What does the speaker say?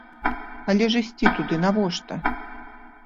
Але ж ісці туды навошта?